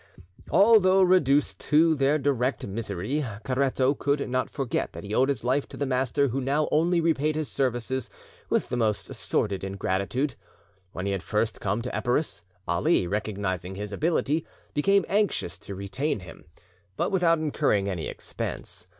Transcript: Although reduced to the direst misery, Caretto could not forget that he owed his life to the master who now only repaid his services with the most sordid ingratitude. When he had first come to Epirus, Ali, recognising his ability, became anxious to retain him, but without incurring any expense.